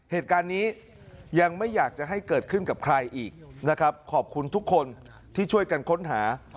เหตุการณ์นี้ยังไม่อยากจะให้เกิดขึ้นกับใครอีกนะครับขอบคุณทุกคนที่ช่วยกันค้นหา